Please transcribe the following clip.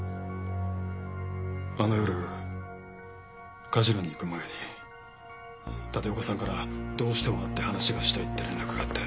あの夜カジノに行く前に立岡さんからどうしても会って話がしたいって連絡があって。